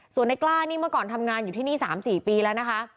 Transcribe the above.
ส่วนในกล้านี่เมื่อก่อนทำงานอยู่ที่นี่๓๔ปีแล้วนะคะ